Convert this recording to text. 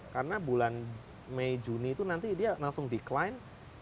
karena bulan mei juni itu nanti dia langsung decline